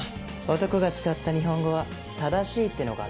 男が使った日本語は正しいってのが前提条件でしょ？